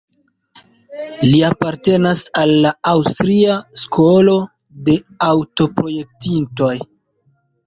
Li apartenas al la Aŭstria skolo de aŭto-projektintoj.